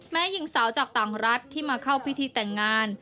หญิงสาวจากต่างรัฐที่มาเข้าพิธีแต่งงาน